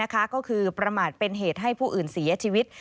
ก็คือประมาทเป็นเหตุให้ผู้อื่นเสียชีวิต